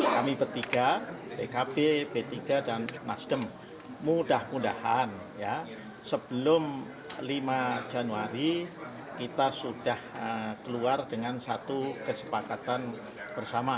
kami bertiga pkb p tiga dan nasdem mudah mudahan sebelum lima januari kita sudah keluar dengan satu kesepakatan bersama